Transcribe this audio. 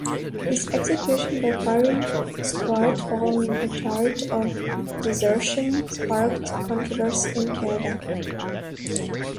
His execution by firing squad following a charge of desertion sparked controversy in Canada.